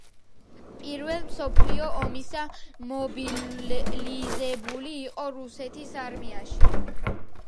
პირველი მსოფლიო ომისას მობილიზებული იყო რუსეთის არმიაში.